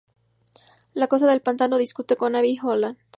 La Cosa del Pantano discute con Abby Holland.